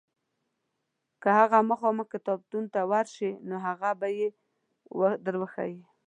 که هغه مخامخ کتابتون ته ورشې نو هغوی به یې در وښیي.